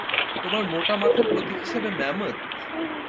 তোমার মোটা মাথার প্রতীক হিসেবে ম্যামথ?